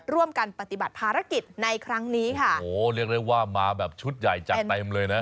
ร่วมกันปฏิบัติภารกิจในครั้งนี้ค่ะโอ้โหเรียกได้ว่ามาแบบชุดใหญ่จัดเต็มเลยนะ